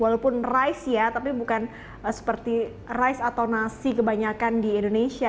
walaupun rice ya tapi bukan seperti rice atau nasi kebanyakan di indonesia